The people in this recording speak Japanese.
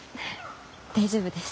大丈夫です。